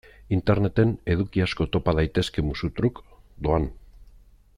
Interneten eduki asko topa daitezke musu-truk, doan.